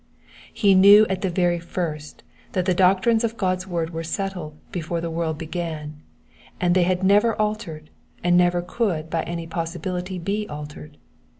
He knew at the very first that the doctrines of God^s word were settled before the world besan, that they had never altered, and never could by any possibility be altered.